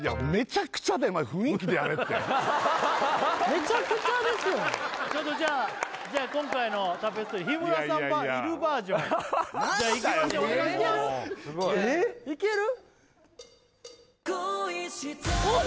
めちゃくちゃですよじゃあ今回の「タペストリー」日村さんいるバージョンじゃあいきましょうお願いしますいける？